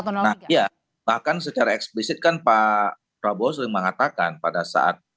nah ya bahkan secara eksplisit kan pak prabowo sering mengatakan pada saat